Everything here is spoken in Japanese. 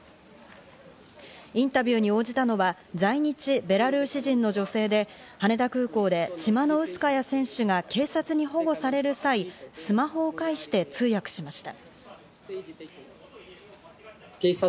インタビューに応じたのは在日ベラルーシ人の女性で、羽田空港でチマノウスカヤ選手が警察に保護される際、スマホを介して通訳しました。